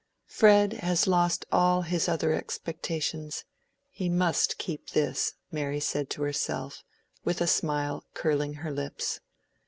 "Fred has lost all his other expectations; he must keep this," Mary said to herself, with a smile curling her lips.